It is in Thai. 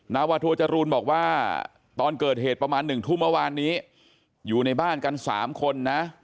นาวาโทจรูนบอกว่าตอนเกิดเหตุประมาณ๑ทุ่มเมื่อวานนี้อยู่ในบ้านกัน๓คนนะ